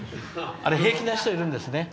あれ、平気な人いるんですよね。